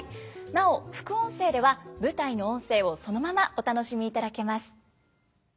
なお副音声では舞台の音声をそのままお楽しみいただけます。